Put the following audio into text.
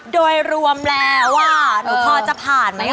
โดยรวมแล้วหนูพ่อจะผ่านไหมค่ะ